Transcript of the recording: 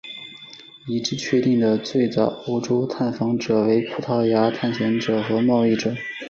已知确定的最早欧洲探访者为葡萄牙探险者和贸易者。